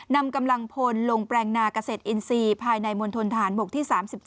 นำกำลังพลลงแปลงนาเกษตรอินทรีย์ภายในมณฑนฐานบกที่๓๒